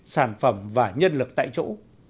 sản phẩm và nhân lực tại chỗ